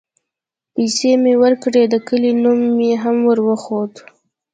پيسې مې وركړې د كلي نوم مې هم وروښود.